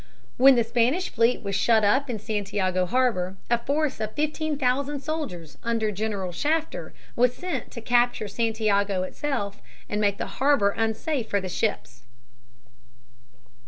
When the Spanish fleet was shut up in Santiago harbor, a force of fifteen thousand soldiers under General Shafter was sent to capture Santiago itself and make the harbor unsafe for the ships.